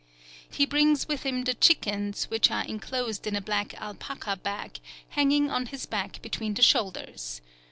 He brings with him the chickens, which are enclosed in a black alpaca bag hanging on his back between the shoulders.